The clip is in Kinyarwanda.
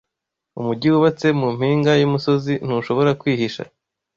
Umugi wubatse mu mpinga y’umusozi ntushobora kwihisha